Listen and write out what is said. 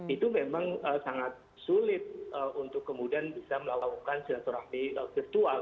itu memang sangat sulit untuk kemudian bisa melakukan silaturahmi virtual